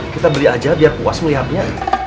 kita beli aja biar puas melihatnya